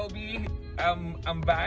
hai semuanya apa kabar